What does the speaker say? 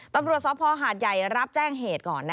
ตำรวจสภหาดใหญ่รับแจ้งเหตุก่อน